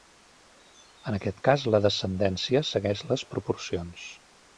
En aquest cas la descendència segueix les proporcions.